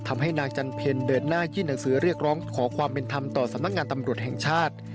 ทำให้นางจันเพลเดินหน้ายื่นหนังสือเรียกร้องขอความเป็นธรรมต่อสำนักงานตำรวจแห่งชาติ